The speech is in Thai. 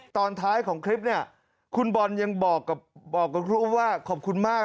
ตอนท้ายของคลิปเนี่ยคุณบอลยังบอกกับครูว่าขอบคุณมาก